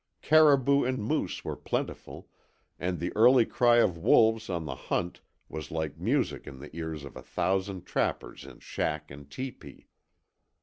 Caribou and moose were plentiful, and the early cry of wolves on the hunt was like music in the ears of a thousand trappers in shack and teepee.